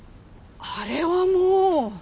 あれはもう。